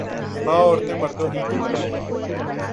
ہاں عورتیں مردوں ہی کی طرح ہیں